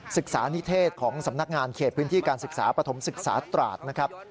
ศึกษานิเทศของสำนักงานเขตพื้นที่การศึกษาปฐมศึกษาตราดนะครับ